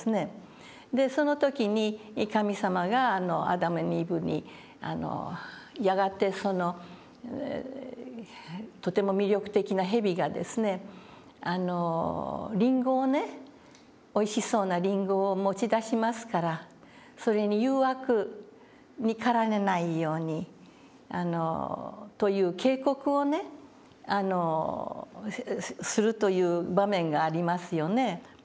その時に神様がアダムにイブにやがてとても魅力的な蛇がりんごをねおいしそうなりんごを持ち出しますからそれに誘惑に駆られないようにという警告をするという場面がありますよね。